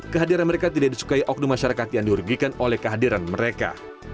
kehadiran mereka tidak disukai oknum masyarakat yang dirugikan oleh kehadiran mereka